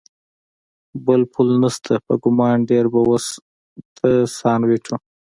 بل پل نشته، په ګمان ډېر به اوس د سان وېټو.